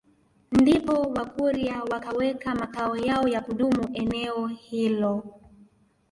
Ndipo wakurya wakaweka makao yao ya kudumu eneo hilo